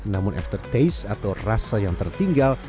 namun after taste atau rasa yang tertinggal